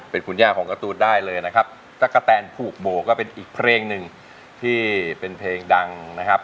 เป็นคุณย่าของการ์ตูนได้เลยนะครับ